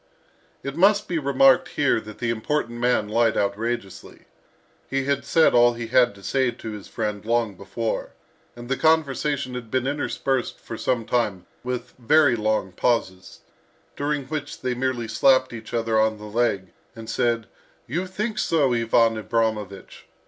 It must be remarked here that the important man lied outrageously. He had said all he had to say to his friend long before, and the conversation had been interspersed for some time with very long pauses, during which they merely slapped each other on the leg, and said, "You think so, Ivan Abramovich!"